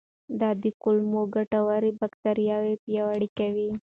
دا د کولمو ګټورې باکتریاوې پیاوړې کوي.